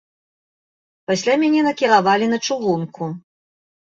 Пасля мяне накіравалі на чыгунку.